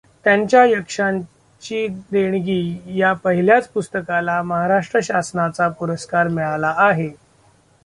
त्यांच्या यक्षांची देणगी या पहिल्याच पुस्तकाला महाराष्ट्र शासनाचा पुरस्कार मिळाला आहे.